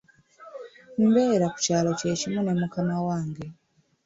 Mbeera ku kyalo kye kimu ne mukama wange.